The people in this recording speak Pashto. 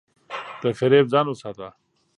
له فریب ځان وساته.